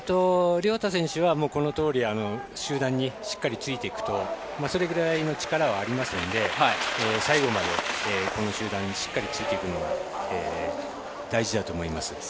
涼太選手は、このとおり集団にしっかりついていくとそれぐらいの力はありますので最後までこの集団についていくのが大事だと思います。